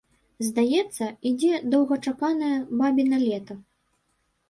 Здаецца, ідзе доўгачаканае бабіна лета.